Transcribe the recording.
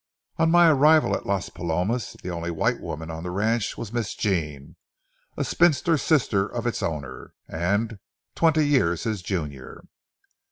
On my arrival at Las Palomas, the only white woman on the ranch was "Miss Jean," a spinster sister of its owner, and twenty years his junior.